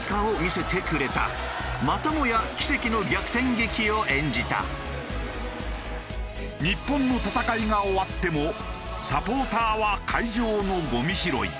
日本が起こした日本の戦いが終わってもサポーターは会場のゴミ拾い。